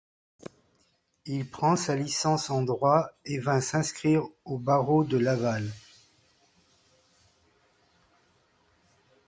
Il prend sa licence en droit et vint s'inscrire au barreau de Laval.